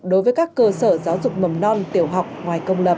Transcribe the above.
đối với các cơ sở giáo dục mầm non tiểu học ngoài công lập